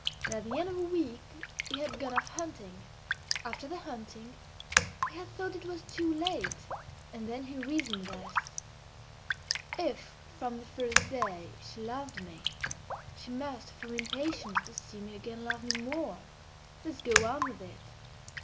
And at the end of a week he had gone off hunting. After the hunting he had thought it was too late, and then he reasoned thus "If from the first day she loved me, she must from impatience to see me again love me more. Let's go on with it!"